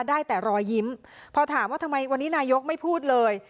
ได้แต่รอยยิ้มพอถามว่าทำไมวันนี้นายกไม่พูดเลย